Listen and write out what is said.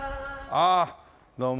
あっどうも。